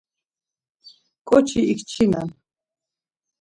K̆oçi ikçinen.